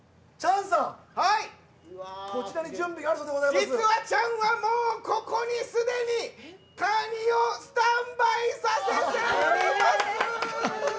実はチャンはもうここにすでにかにをスタンバイさせております！